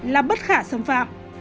là bất khả xâm phạm